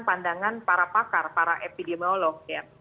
pandangan para pakar para epidemiolog ya